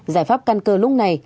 giải pháp căn cơ lúc này